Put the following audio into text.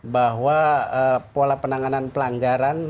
bahwa pola penanganan pelanggaran